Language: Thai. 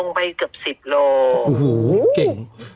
ลงไปกับ๑๐โล